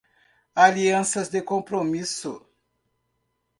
Alianças de compromisso